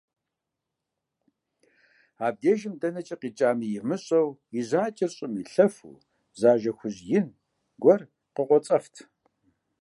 Абдежым дэнэкӀэ къикӀами имыщӀэу и жьакӀэр щӀым илъэфу зы ажэ хужь ин гуэр къыкъуоцӀэфт.